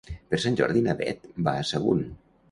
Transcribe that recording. Per Sant Jordi na Beth va a Sagunt.